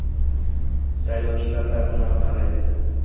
Saylovchilar dardlarini ham aytdi